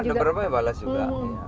iya ada beberapa yang bales juga